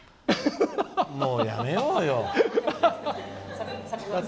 もうやめようよ。